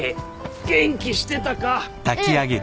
元気してたか？